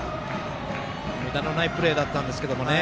むだのないプレーだったんですけどね。